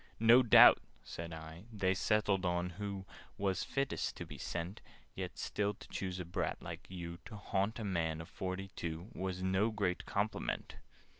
"No doubt," said I, "they settled who Was fittest to be sent Yet still to choose a brat like you, To haunt a man of forty two, Was no great compliment!"